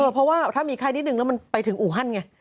เพราะว่าถ้ามีไข้นิดนึงแล้วมันไปถึงอู่ฮั่นไง